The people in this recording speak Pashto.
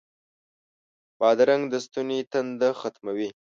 بادرنګ د ستوني تنده ختموي.